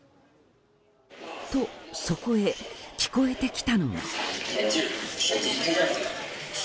と、そこへ聞こえてきたのは。